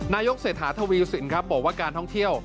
นายกเศรษฐาทวีสินครับบอกว่าการท่องเที่ยว